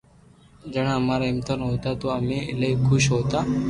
جڻا امارا امتحان ھوتا تو امي ايلائي خوݾ ھوتا